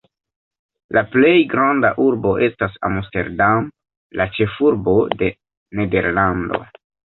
La plej granda urbo estas Amsterdam, la ĉefurbo de Nederlando.